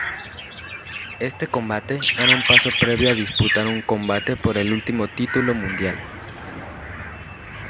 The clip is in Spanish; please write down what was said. Este combate era un paso previo a disputar un combate por el título mundial.